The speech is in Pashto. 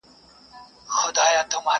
پېړۍ واوښتې قرنونه دي تېریږي!.